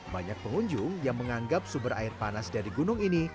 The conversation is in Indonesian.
banyak pengunjung yang menganggap sumber air panas dari gunung ini